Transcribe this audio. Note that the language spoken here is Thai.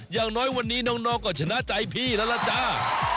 อย่างน้อยวันนี้น้องก็ชนะใจพี่แล้วล่ะจ้า